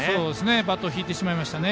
バットを引いてしまいましたね。